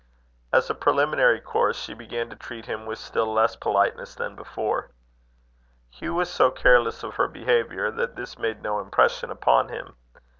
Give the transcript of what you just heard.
As a preliminary course, she began to treat him with still less politeness than before. Hugh was so careless of her behaviour, that this made no impression upon him.